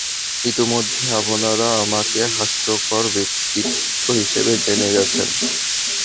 ইতিমধ্যে আপনারা আমাকে হাস্যকর ব্যক্তিত্ব হিসেবে জেনে গেছেন।